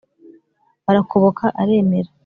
arakoboka aremera